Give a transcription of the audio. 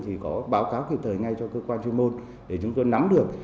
thì có báo cáo kịp thời ngay cho cơ quan chuyên môn để chúng tôi nắm được